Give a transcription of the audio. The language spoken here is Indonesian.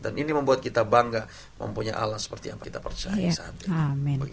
dan ini membuat kita bangga mempunyai allah seperti yang kita percaya saat ini